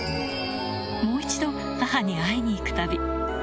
もう一度母に会いに行く旅。